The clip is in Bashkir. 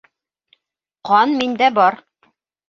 Ҡан миндә бар.